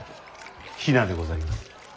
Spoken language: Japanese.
比奈でございます。